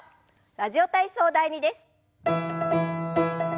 「ラジオ体操第２」です。